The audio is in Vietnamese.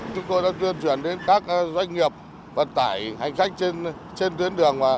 chúng tôi đã tuyên truyền đến các doanh nghiệp vận tải hành khách trên tuyến đường